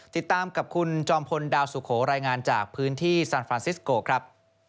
ติดตามกับคุณจอมพลดาวสุโขรายงานจากพื้นที่ซานฟรานซิสโกครับ